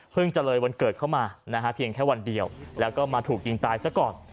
จะเลยวันเกิดเข้ามานะฮะเพียงแค่วันเดียวแล้วก็มาถูกยิงตายซะก่อน